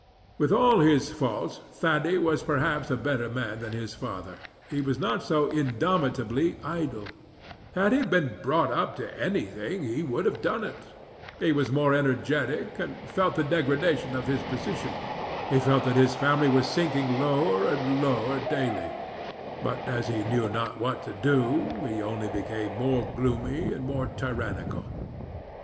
With all his faults, Thady was perhaps a better man than his father; he was not so indomitably idle; had he been brought up to anything, he would have done it; he was more energetic, and felt the degradation of his position; he felt that his family was sinking lower and lower daily; but as he knew not what to do, he only became more gloomy and more tyrannical.